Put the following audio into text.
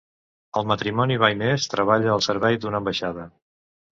El matrimoni Baines treballa al servei d'una ambaixada.